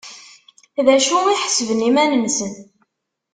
D acu i ḥesben iman-nsen?